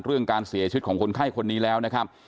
เรื่องการเสียชีวิตของคนไข้คนนี้แล้วนะครับ